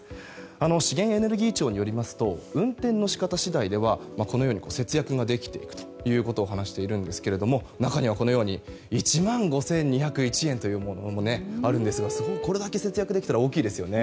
資源エネルギー庁によりますと運転の仕方次第ではこのように節約ができていくと話しているんですけれども中にはこのように１万５２０１円というものもあるんですがこれだけ節約できたら大きいですよね。